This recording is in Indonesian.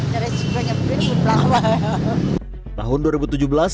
dari sebelahnya beli belah belah ya